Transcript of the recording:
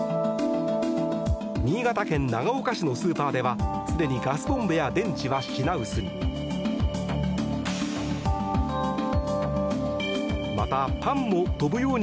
新潟県長岡市のスーパーではすでにガスコンロや電池は品薄に。